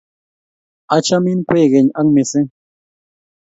achamin kwekeny ak missing